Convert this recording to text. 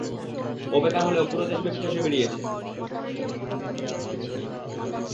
ও বেকার হলেও পুরো দেশব্যপি চষে বেরিয়েছে!